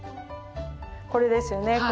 これですよね。